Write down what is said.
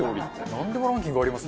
なんでもランキングありますね。